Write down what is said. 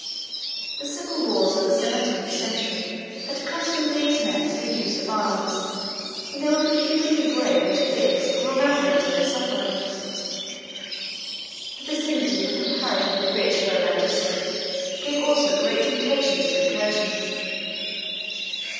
The civil wars of the seventeenth century had accustomed these men to the use of arms, and they were peculiarly brave and fierce from remembrance of their sufferings. The vicinity of a comparatively rich Lowland district gave also great temptations to incursion.